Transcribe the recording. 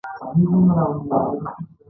غلی، د نېکمرغۍ راز لري.